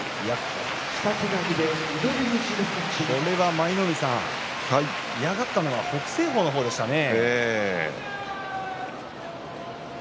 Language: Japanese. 舞の海さん、嫌がったのは北青鵬の方でしたね。